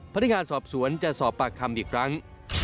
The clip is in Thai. พนักงานสอบสวนจะสอบปากคำอีกครั้ง